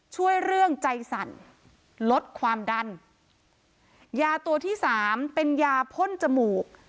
ช่วยเรื่องใจสั่นลดความดันยาตัวที่สามเป็นยาพ่นจมูก